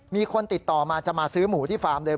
มีคนติดต่อมาจะมาซื้อหมูที่ฟาร์มเลย